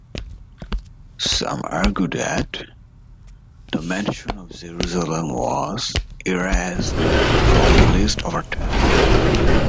Some argue that the mention of Jerusalem was erased from the list over time.